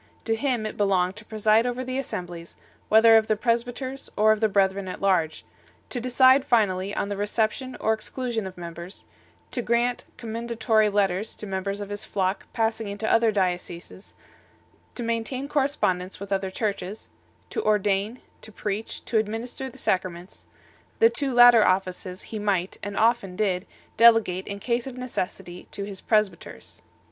To him it belonged to preside over the assemblies, whether of the presbyters or of the brethren at large ; to decide finally on the reception or exclusion of members ; to grant commendatory letters to members of his flock passing into other dioceses ; to main tain correspondence with other Churches 8 ; to ordain, to preach, to administer the Sacraments ; the two latter offices he might, and often did, delegate in case of necessity to his presbyters.